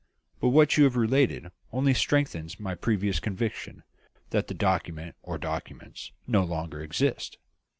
But what you have related only strengthens my previous conviction, that the document or documents no longer exist.